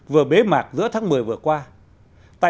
vừa bế mạc giữa tháng một mươi vừa qua